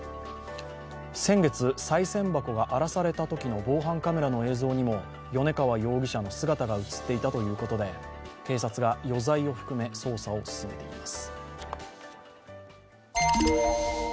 先月、さい銭箱が荒らされたときの防犯カメラの映像にも米川容疑者の姿が映っていたということで、警察が、余罪を含め捜査を進めています。